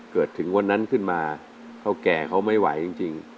ถึงวันนั้นขึ้นมาเท่าแก่เขาไม่ไหวจริง